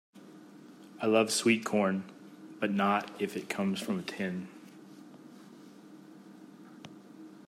I love sweetcorn, but not if it comes from a tin.